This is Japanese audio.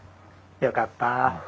よかった。